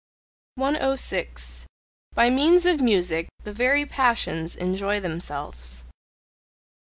106. By means of music the very passions enjoy themselves.